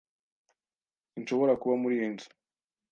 Sinshobora kuba muri iyi nzu.